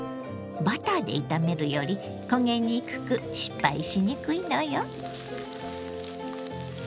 バターで炒めるより焦げにくく失敗しにくいのよ。